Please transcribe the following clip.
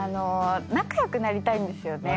仲良くなりたいんですよね